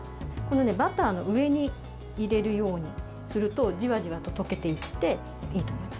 バターの上に入れるようにするとじわじわと溶けていっていいと思います。